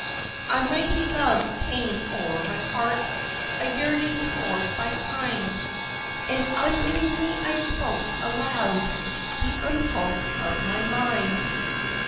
A mighty love came o'er my heart, A yearning toward my kind, And unwittingly I spoke aloud The impulse of my mind.